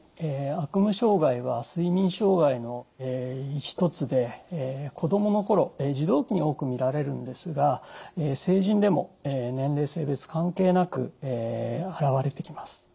悪夢障害は睡眠障害の１つで子供の頃児童期に多く見られるんですが成人でも年齢性別関係なく現れてきます。